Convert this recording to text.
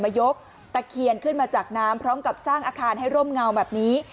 ยกตะเคียนขึ้นมาจากน้ำพร้อมกับสร้างอาคารให้ร่มเงาแบบนี้